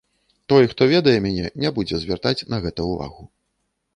Той, хто ведае мяне, не будзе звяртаць на гэта ўвагу.